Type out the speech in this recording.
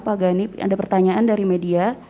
pak gani ada pertanyaan dari media